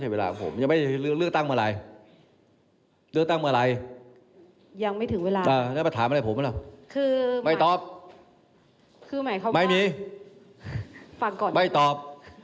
ฟังก่อนไม่ตอบ